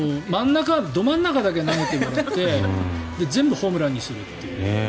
ど真ん中だけ投げてもらって全部ホームランにするっていう。